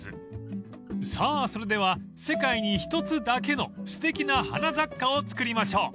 ［さぁそれでは世界に一つだけのすてきな花雑貨を作りましょう］